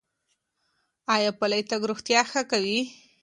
ایا پلی تګ روغتیا ښه کوي؟